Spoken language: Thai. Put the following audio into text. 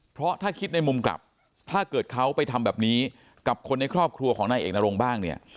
เพราะถ้าคิดในมุมกลับถ้าเกิดเขาไปทำแบบนี้กับคนในครอบครัวของนายเอกนรงบ้างเนี่ย